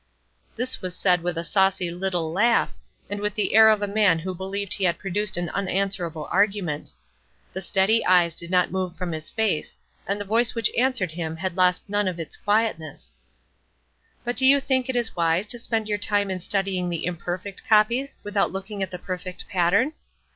This was said with a saucy little laugh, and with the air of a man who believed he had produced an unanswerable argument. The steady eyes did not move from his face, and the voice which answered him had lost none of its quietness: "But do you think it is wise to spend your time in studying the imperfect copies, without looking at the perfect pattern?